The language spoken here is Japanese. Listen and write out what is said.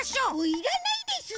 いらないです！